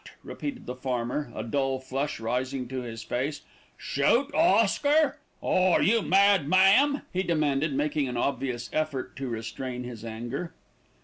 repeated the farmer, a dull flush rising to his face. "Shoot Oscar! Are you mad, ma'am?" he demanded, making an obvious effort to restrain his anger.